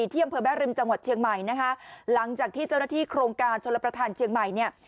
ที่อำเภอแม่ริมจังหวัดเชียงใหม่นะคะหลังจากที่เจ้าหน้าที่โครงการชนรับประทานเชียงใหม่เนี่ย